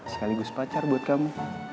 sekaligus pacar buat kamu